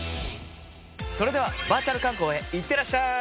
それではバーチャル観光へいってらっしゃい！